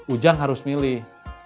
ujang harus milih